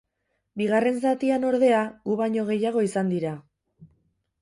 Bigarren zatian, ordea, gu baino gehiago izan dira.